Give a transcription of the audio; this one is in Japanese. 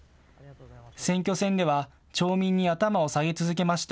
選挙戦では町民に頭を下げ続けました。